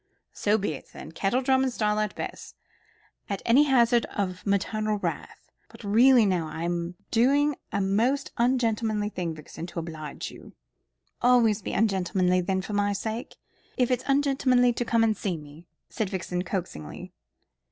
"So be it, then; kettledrum and Starlight Bess, at any hazard of maternal wrath. But really now I'm doing a most ungentlemanly thing, Vixen, to oblige you!" "Always be ungentlemanly then for my sake if it's ungentlemanly to come and see me," said Vixen coaxingly.